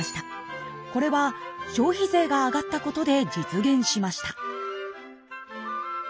これは消費税が上がったことで実現しました。